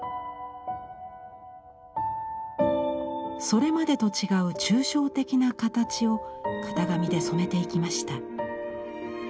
それまでと違う抽象的な形を型紙で染めていきました。